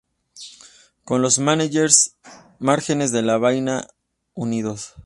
Con los márgenes de la vaina unidos.